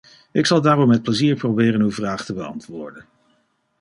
Ik zal daarom met plezier proberen uw vraag te beantwoorden.